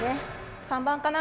３番かな？